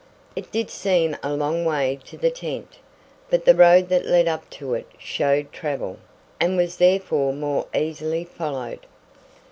It did seem a long way to the tent, but the road that led up to it showed travel, and was therefore more easily followed.